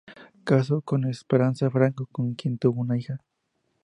Casó con Esperanza Franco, con quien tuvo una hija.